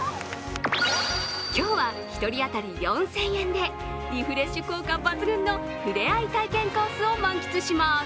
今日は、１人当たり４０００円でリフレッシュ効果抜群のふれあい体験コースを満喫します。